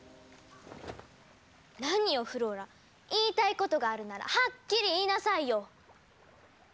何よフローラ言いたいことがあるならはっきり言いなさいよ。